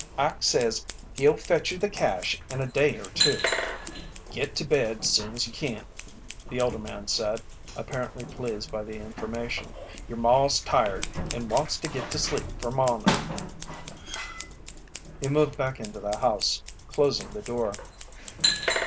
Ike says he'll fetch you the cash in a day or two." "Git to bed soon's you kin," the older man said, apparently pleased by the information. "Your Ma's tired and wants to git to sleep 'for mawning." He moved back into the house, closing the door.